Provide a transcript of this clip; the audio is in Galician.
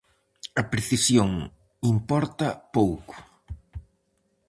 A precisión importa pouco.